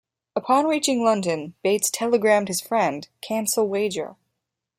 Upon reaching London, Bates telegrammed his friend, Cancel wager.